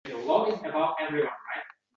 – Umuman olganda, gaping to‘g‘ri